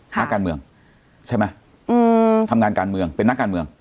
นักการเมืองใช่ไหมทำงานการเมืองเป็นนักการเมือง